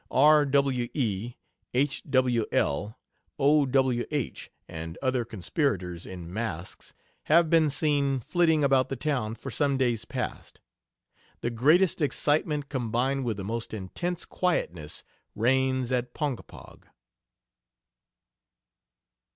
R.W.E. H.W.L. O.W.H., and other conspirators in masks have been seen flitting about the town for some days past. The greatest excitement combined with the most intense quietness reigns at Ponkapog."